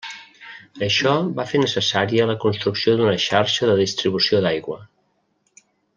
Això va fer necessària la construcció d'una xarxa de distribució d'aigua.